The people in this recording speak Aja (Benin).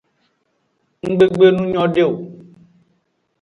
Nggbe gbe nu nyode o.